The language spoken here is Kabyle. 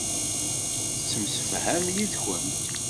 Tettemsefham yid-kent.